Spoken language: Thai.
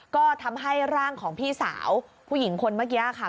ก็ทำให้ร่างของพี่สาวผู้หญิงคนเมื่อกี้ค่ะ